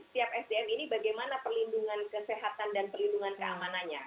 jadi bagaimana pelindungan kesehatan dan pelindungan keamanannya